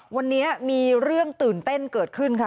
วันนี้มีเรื่องตื่นเต้นเกิดขึ้นค่ะ